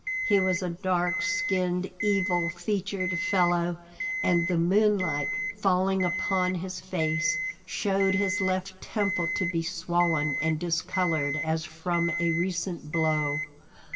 He was a dark skinned, evil featured fellow; and the moonlight, falling upon his face, showed his left temple to be swollen and discoloured as from a recent blow.